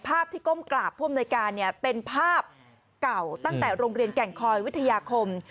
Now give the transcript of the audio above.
ภาพที่ก้มกราบผู้อำนวยการเนี่ยเป็นภาพเก่าตั้งแต่โรงเรียนแก่งคอยวิทยาคม